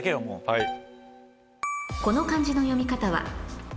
はい。